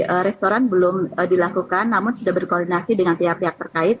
penggunaan di restoran belum dilakukan namun sudah berkoordinasi dengan tiap tiap terkait